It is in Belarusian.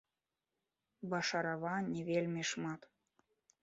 Башарава не вельмі шмат.